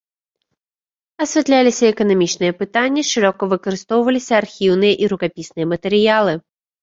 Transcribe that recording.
Асвятляліся эканамічныя пытанні, шырока выкарыстоўваліся архіўныя і рукапісныя матэрыялы.